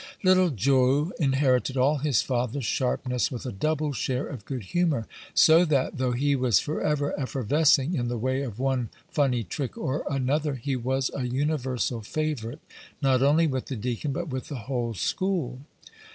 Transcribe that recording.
Little Joe inherited all his father's sharpness, with a double share of good humor; so that, though he was forever effervescing in the way of one funny trick or another, he was a universal favorite, not only with the deacon, but with the whole school.